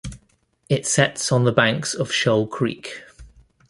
It sets on the banks of Shoal Creek.